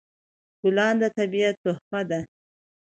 ګلان د طبیعت تحفه ده.